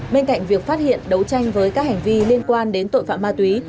bên cạnh việc phát hiện đấu tranh với các hành vi liên quan đến tội phạm ma túy